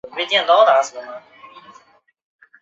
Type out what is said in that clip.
东神奈川车站的铁路车站。